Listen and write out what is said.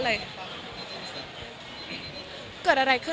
เหมือนเก่าเหล่ากันมีปัญหากับที่เจ้าเชิญเคย